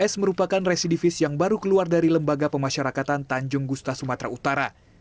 s merupakan residivis yang baru keluar dari lembaga pemasyarakatan tanjung gusta sumatera utara